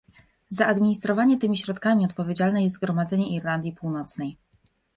Za administrowanie tymi środkami odpowiedzialne jest Zgromadzenie Irlandii Północnej